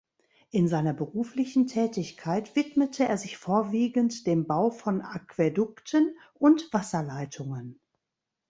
In seiner beruflichen Tätigkeit widmete er sich vorwiegend dem Bau von Aquädukten und Wasserleitungen.